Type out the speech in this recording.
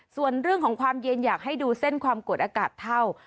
ส่วนเรื่องของความเย็นอยากให้ดูเส้นความกดอากาศเท่า